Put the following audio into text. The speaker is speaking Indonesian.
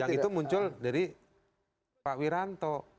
yang itu muncul dari pak wiranto